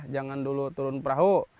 jangan dulu turun perahu